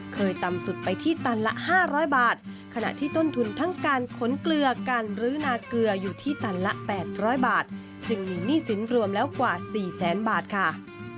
ต่ำสุดไปที่ตันละ๕๐๐บาทขณะที่ต้นทุนทั้งการขนเกลือการรื้อนาเกลืออยู่ที่ตันละ๘๐๐บาทจึงมีหนี้สินรวมแล้วกว่า๔แสนบาทค่ะ